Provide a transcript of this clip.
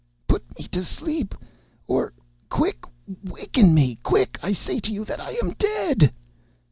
—put me to sleep—or, quick!—waken me!—quick!—I say to you that I am dead!"